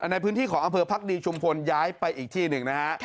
ในพื้นที่ของอำเภอพักดีชุมพลย้ายไปอีกที่หนึ่งนะฮะ